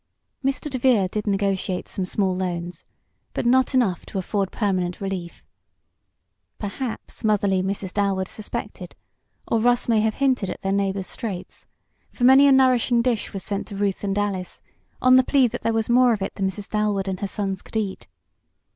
Mr. DeVere did negotiate some small loans, but not enough to afford permanent relief. Perhaps motherly Mrs. Dalwood suspected, or Russ may have hinted at their neighbors' straits, for many a nourishing dish was sent to Ruth and Alice, on the plea that there was more of it than Mrs. Dalwood and her sons could eat.